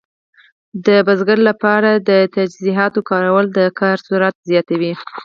د کروندې لپاره د تجهیزاتو کارول د کار سرعت زیاتوي.